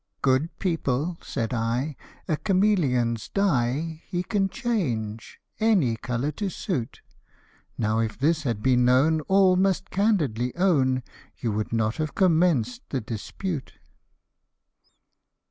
c2 '* Good people," said I, "a chameleon his dye Can change any colour to suit ; Now if this had been known, all must candidly own You would not have commenced the dispute."